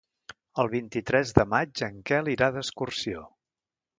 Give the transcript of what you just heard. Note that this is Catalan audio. El vint-i-tres de maig en Quel irà d'excursió.